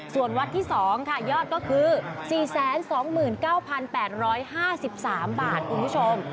ส่วนวัดที่๒ค่ะยอดก็คือ๔๒๙๘๕๓บาทคุณผู้ชม